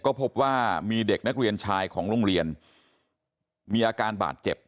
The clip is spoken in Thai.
ก็พบว่ามีเด็กนักเรียนชายของโรงเรียนมีอาการบาดเจ็บ